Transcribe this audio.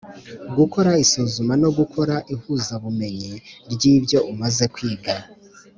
gukora isuzuma no gukora ihuzabumenyi ry’ibyo umaze kwiga